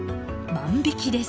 万引きです。